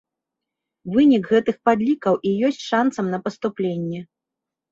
Вынік гэтых падлікаў і ёсць шанцам на паступленне.